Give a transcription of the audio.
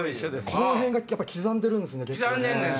このへんが刻んでるんですね。